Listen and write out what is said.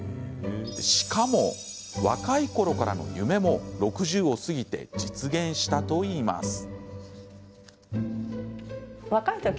しかも、若いころからの夢も６０を過ぎて実現したといいます。